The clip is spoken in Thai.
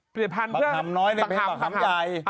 ปริภัณฑ์เพื่อประคำใหญ่